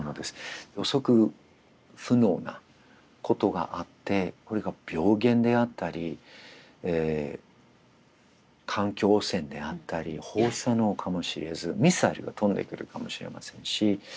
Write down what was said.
予測不能なことがあってこれが病原であったり環境汚染であったり放射能かもしれずミサイルが飛んでくるかもしれませんし。